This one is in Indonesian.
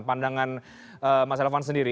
pandangan mas elvan sendiri